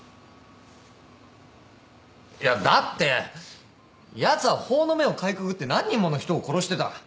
いやだってやつは法の目をかいくぐって何人もの人を殺してた。